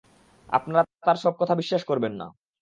আপনারা তার সব কথা বিশ্বাস করবেন না।